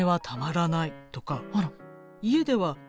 あら。